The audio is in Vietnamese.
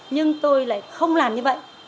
nhưng tôi lại không làm như vậy